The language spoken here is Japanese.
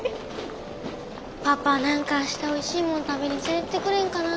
パパ何か明日おいしいもん食べに連れてってくれんかな。